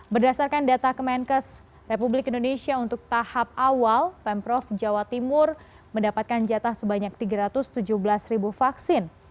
berdasarkan data kemenkes republik indonesia untuk tahap awal pemprov jawa timur mendapatkan jatah sebanyak tiga ratus tujuh belas ribu vaksin